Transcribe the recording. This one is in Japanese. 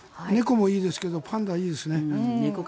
猫もいいですけどパンダもいいですね。